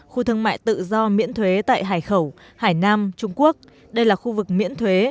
khu thương mại tự do miễn thuế tại hải khẩu hải nam trung quốc đây là khu vực miễn thuế